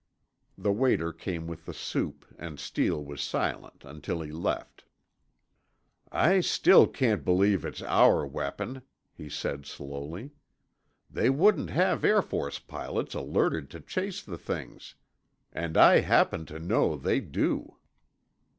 The waiter came with the soup, and Steele was silent until he left. "I still can't believe it's our weapon," he said slowly. "They wouldn't have Air Force pilots alerted to chase the things. And I happen to how they do."